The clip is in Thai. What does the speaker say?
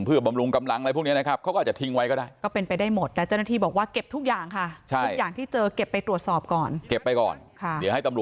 เพื่อบำรุงกำลังอะไรพวกนี้นะครับ